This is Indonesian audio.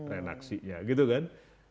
reaksinya gitu kan